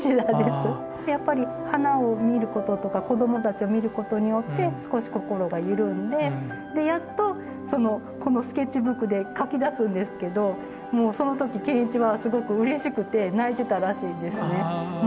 やっぱり花を見ることとか子どもたちを見ることによって少し心が緩んでやっとこのスケッチブックで描き出すんですけどもうその時賢一はすごくうれしくて泣いてたらしいんですね。